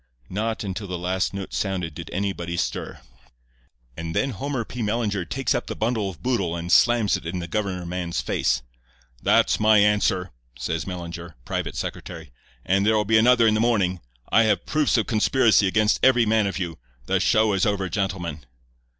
Not until the last note sounded did anybody stir. And then Homer P. Mellinger takes up the bundle of boodle and slams it in the governor man's face. "'That's my answer,' says Mellinger, private secretary, 'and there'll be another in the morning. I have proofs of conspiracy against every man of you. The show is over, gentlemen.